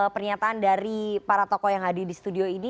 pernyataan dari para tokoh yang hadir di studio ini